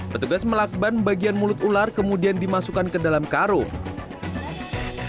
petugas melakban bagian mulut ular kemudian dimasukkan ke dalam karung